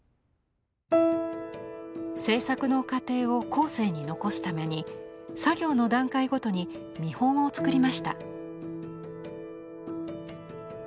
制作の過程を後世に残すために作業の段階ごとに見本をつくりました。